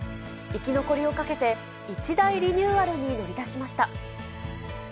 生き残りをかけて、一大リニューアルに乗り出しました。